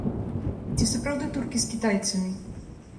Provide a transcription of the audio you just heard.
Ці сапраўды туркі з кітайцамі?